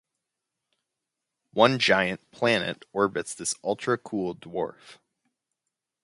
One giant planet orbits this ultra-cool dwarf.